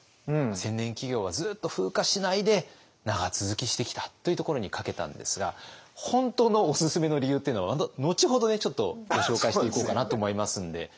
千年企業はずっと風化しないで長続きしてきたというところにかけたんですが本当のオススメの理由っていうのは後ほどちょっとご紹介していこうかなと思いますんで。